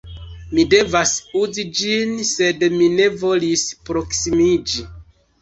Mi devas uzi ĝin sed mi ne volis proksimiĝi